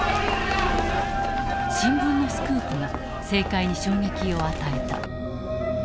新聞のスクープが政界に衝撃を与えた。